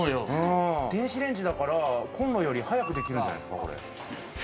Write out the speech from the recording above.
電子レンジだからコンロより早くできるんじゃないですか？